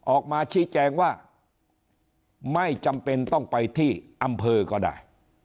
ออกมาชี้แจงว่าไม่จำเป็นต้องไปที่อำเภอก็ได้